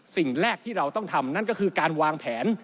สิ่งแรกที่เราต้องทำนั่นก็คือการวางแผน